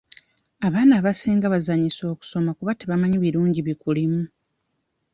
Abaana abasinga bazannyisa okusoma kuba tebamanyi birungi bikulimu.